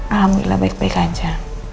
alhamdulillah baik baik aja